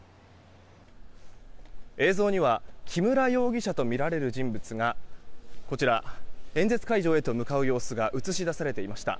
映像には木村容疑者とみられる人物がこちら演説会場へと向かう様子が映し出されていました。